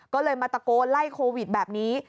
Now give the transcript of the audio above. ก็เลยมาตะโกนไล่โควิดแบบนี้